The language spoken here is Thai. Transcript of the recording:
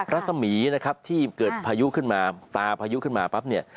รัศมีนะครับที่เกิดพายุขึ้นมาตาพายุขึ้นมาปั๊บเนี่ย